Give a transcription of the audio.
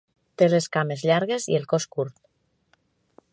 Té les cames llargues i el cos curt.